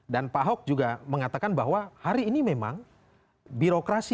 dan pak hock juga mengatakan bahwa hari ini memang birokrasi